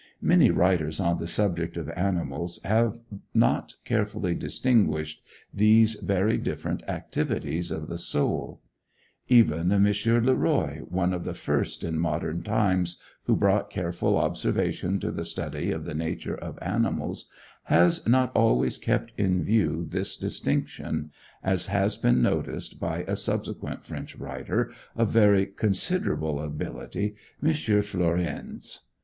Many writers on the subject of animals have not carefully distinguished these very different activities of the soul. Even M. Leroy, one of the first in modern times who brought careful observation to the study of the nature of animals, has not always kept in view this distinction as has been noticed by a subsequent French writer of very considerable ability, M. Flourens.